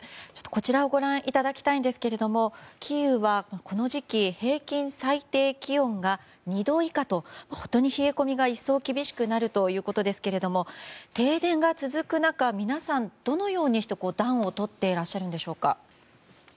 こちらをご覧いただきたいんですがキーウは、この時期平均最低気温が２度以下と本当に冷え込みが一層厳しくなるということですが停電が続く中皆さんどのようにして暖をとっていらっしゃるんでしょうか。